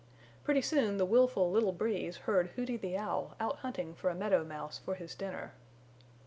Pretty soon the willful little Breeze heard Hooty the Owl out hunting for a meadow mouse for his dinner.